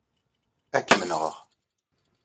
Ad kem-nɣeɣ.